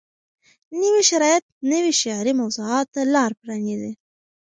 نوي شرایط نویو شعري موضوعاتو ته لار پرانیزي.